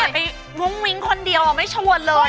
แต่ไปมุ้งมิ้งคนเดียวไม่ชวนเลย